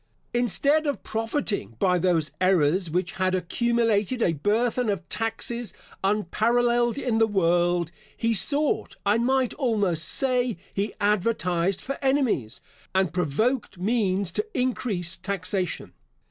Instead of profiting by those errors which had accumulated a burthen of taxes unparalleled in the world, he sought, I might almost say, he advertised for enemies, and provoked means to increase taxation.